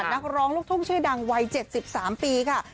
นักร้องลูกทุ่งชื่อดังวัย๗๓ปีค่ะ